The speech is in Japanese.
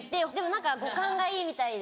何か語感がいいみたいで。